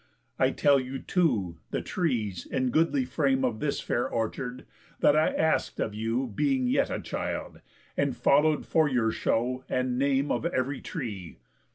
I'll tell you, too, the trees, in goodly frame Of this fair orchard, that I ask'd of you Being yet a child, and follow'd for your show And name of ev'ry tree.